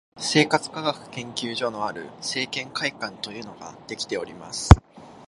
生活科学研究所のある生研会館というのができております